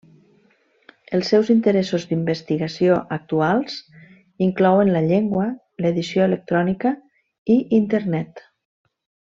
Els seus interessos d'investigació actuals inclouen la llengua, l'edició electrònica i Internet.